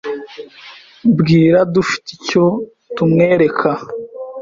Bwira dufite icyo tumwereka.